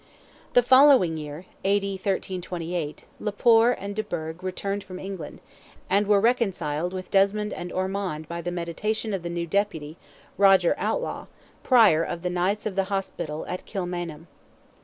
The following year (A.D. 1328), le Poer and de Burgh returned from England, and were reconciled with Desmond and Ormond by the mediation of the new deputy, Roger Outlaw, Prior of the Knights of the Hospital at Kilmainham.